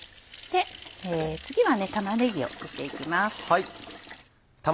次は玉ねぎを切って行きます。